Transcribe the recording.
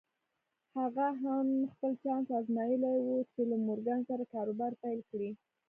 هغه هم خپل چانس ازمايلی و چې له مورګان سره کاروبار پيل کړي.